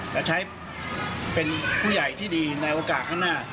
และใช้เป็นผู้ใหญ่ที่ดีในโอกาสข้างหน้า